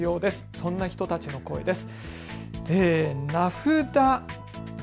そんな人たちの声です。